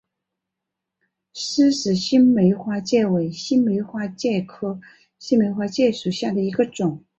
斯氏新梅花介为新梅花介科新梅花介属下的一个种。